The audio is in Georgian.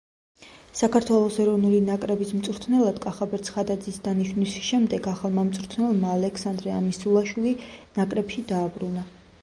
საქართველოს ეროვნული ნაკრების მწვრთნელად კახაბერ ცხადაძის დანიშნვის შემდეგ, ახალმა მწვრთნელმა ალექსანდრე ამისულაშვილი ნაკრებში დააბრუნა.